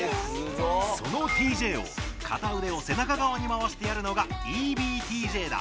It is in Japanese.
その「ＴＪ」を片腕を背中側に回してやるのが「ＥＢＴＪ」だ。